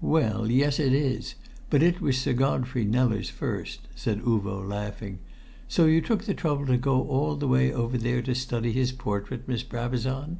"Well, yes, it is; but it was Sir Godfrey Kneller's first," said Uvo, laughing. "So you took the trouble to go all the way over there to study his portrait, Miss Brabazon?"